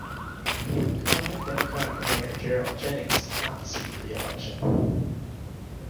Incumbent Democratic mayor Gerald Jennings did not seek reelection.